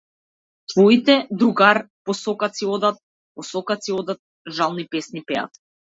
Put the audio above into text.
Твоите другар, по сокаци одат, по сокаци одат, жални песни пеат.